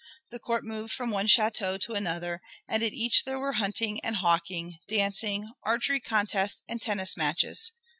The court moved from one château to another, and at each there were hunting and hawking, dancing, archery contests, and tennis matches.